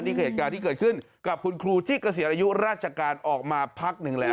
เหตุการณ์ที่เกิดขึ้นกับคุณครูที่เกษียณอายุราชการออกมาพักหนึ่งแล้ว